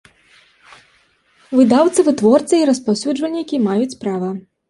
Выдаўцы, вытворцы i распаўсюджвальнiкi маюць права.